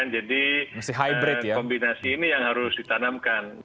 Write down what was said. jadi kombinasi ini yang harus ditanamkan